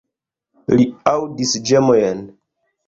Li aŭdis ĝemojn.